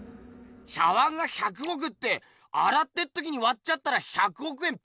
⁉茶碗が１００億ってあらってっときにわっちゃったら１００億円パーだかんな！